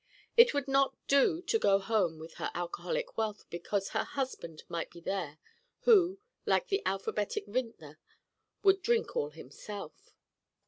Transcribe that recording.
It would not do to go home with her alcoholic wealth because the husband might be there who, like the alphabetic vintner, would 'drink all himself.